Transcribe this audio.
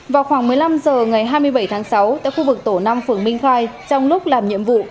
vào khoảng một mươi năm h ngày hai mươi bảy tháng sáu tại khu vực tổ năm phường minh khai trong lúc làm nhiệm vụ